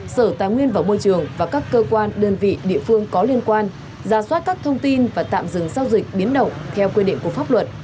sở tài nguyên và môi trường và các cơ quan đơn vị địa phương có liên quan ra soát các thông tin và tạm dừng giao dịch biến động theo quy định của pháp luật